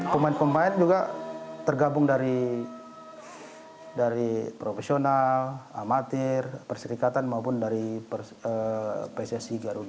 pemain pemain juga tergabung dari profesional amatir perserikatan maupun dari pssi garuda